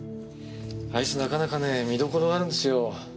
あいつなかなかね見どころがあるんですよ。